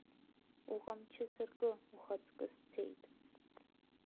Уҟамчы сыркы, ухаҵкы сцеит.